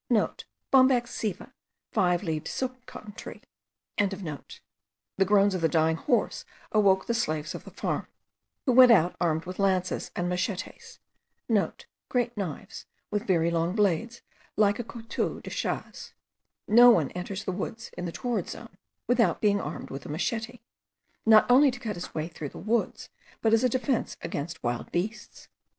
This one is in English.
(* Bombax ceiba: five leaved silk cotton tree.) The groans of the dying horse awoke the slaves of the farm, who went out armed with lances and machetes.* (* Great knives, with very long blades, like a couteau de chasse. No one enters the woods in the torrid zone without being armed with a machete, not only to cut his way through the woods, but as a defence against wild beasts.)